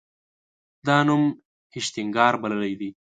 دا نوم هشتنګار بللی دی.